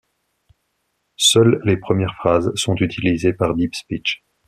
Seules les premières phrases sont utilisées par Deep Speech.